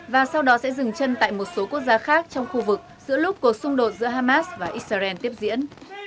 và sau đó sẽ dừng chân tại một số quốc gia khác trong khu vực giữa lúc cuộc xung đột giữa hamas và israel tiếp diễn